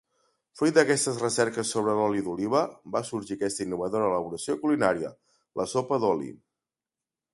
Fruit d'aquestes recerques sobre l'oli d'oliva, va sorgir aquesta innovadora elaboració culinària: la sopa d'oli.